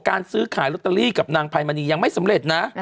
การซื้อขายลอตเตอรี่กับนางไพมณียังไม่สำเร็จนะ